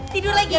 tidur lagi ya